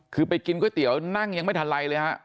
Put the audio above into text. คือไปกินก๋วยเตี๋ยวนั่งยังไม่ทันไรเลยฮะ